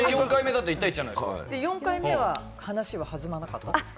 ４回目は話は弾まなかったんですか？